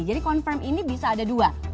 jadi confirm ini bisa ada dua